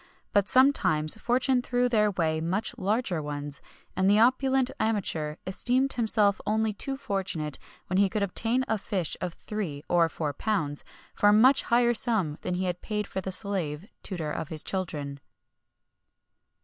But sometimes fortune threw in their way much larger ones; and the opulent amateur esteemed himself only too fortunate when he could obtain a fish of three[XXI 47] or four pounds[XXI 48] for a much higher sum than he had paid for the slave, tutor of his children.